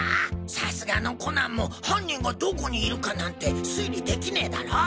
さすがのコナンも犯人がどこにいるかなんて推理できねぇだろ？